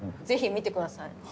ぜひ見て下さい。